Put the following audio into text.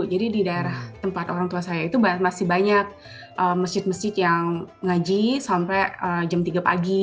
jadi di daerah tempat orang tua saya itu masih banyak masjid masjid yang ngaji sampai jam tiga pagi